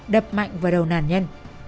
đập mạnh vào đầu nàn nhân